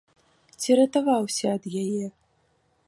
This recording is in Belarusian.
Ці ратаваўся ад яе?